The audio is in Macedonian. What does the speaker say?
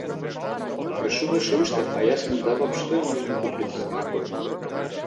Прашуваше уште, а јас му давав што е можно попрецизни одговори.